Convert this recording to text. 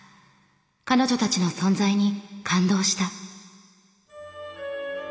彼女たちの存在に感動した」。